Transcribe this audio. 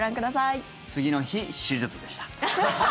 次の日、手術でした。